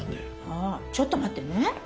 ああちょっと待ってね。